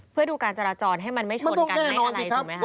เพื่อดูการจราจรให้มันไม่ชนกันให้อะไรมันต้องแน่นอนสิครับ